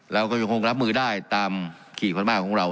เราก็ยังคงรับมือได้ตามขี่พม่าของเรา